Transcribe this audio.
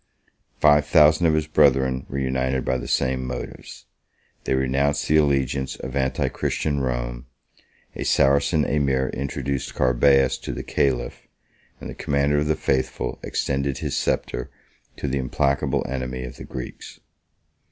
Five thousand of his brethren were united by the same motives; they renounced the allegiance of anti Christian Rome; a Saracen emir introduced Carbeas to the caliph; and the commander of the faithful extended his sceptre to the implacable enemy of the Greeks.